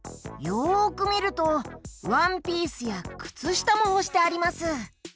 よくみるとワンピースやくつしたもほしてあります。